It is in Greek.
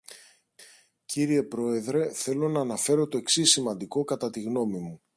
Κύριε Πρόεδρε, θέλω να αναφέρω το εξής σημαντικό κατά τη γνώμη μου.